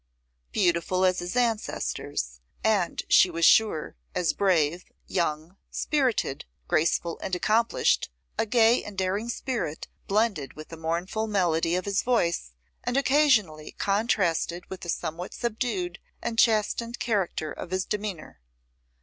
Beautiful as his ancestors, and, she was sure, as brave, young, spirited, graceful, and accomplished, a gay and daring spirit blended with the mournful melody of his voice, and occasionally contrasted with the somewhat subdued and chastened character of his demeanour.